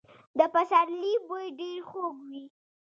د پسرلي بوی ډېر خوږ وي.